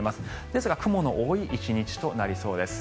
ですが雲の多い１日となりそうです。